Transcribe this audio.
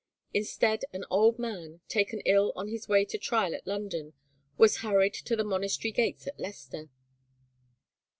Instead an old man, taken ill on his way to trial at London, was hurried to the monastery gates at Leicester.